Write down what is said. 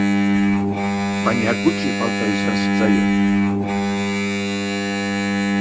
Baina gutxi falta izan zitzaion.